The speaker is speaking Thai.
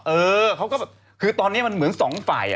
เออเขาก็แบบคือตอนนี้มันเหมือนสองฝ่าย